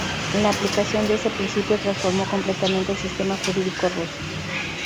La aplicación de ese principio transformó completamente el sistema jurídico ruso.